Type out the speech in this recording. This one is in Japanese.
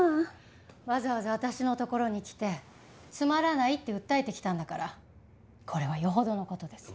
わざわざ私のところに来てつまらないって訴えてきたんだからこれは余程の事です。